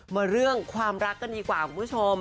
มาเรื่องความรักกันดีกว่าคุณผู้ชม